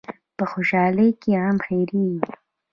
په خوشحالۍ کښېنه، غم هېرېږي.